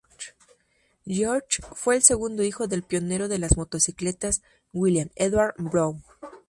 George fue el segundo hijo del pionero de las motocicletas William Edward Brough.